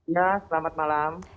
ya selamat malam